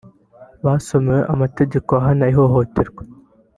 basomewe amategeko ahana ihohoterwa